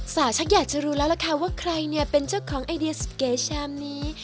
สาวชักอยากจะรู้แล้วล่ะค่ะว่าใครเนี่ยเป็นเจ้าของไอเดียสเก๋ชามนี้